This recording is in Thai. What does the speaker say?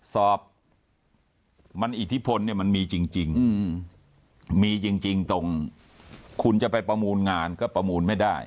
สอบมันอิทธิพลเนี่ยมันมีจริงมีจริงตรงคุณจะไปประมูลงานก็ประมูลไม่ได้